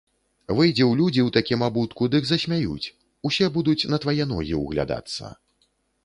Выйдзі ў людзі ў такім абутку, дык засмяюць, усе будуць на твае ногі ўглядацца.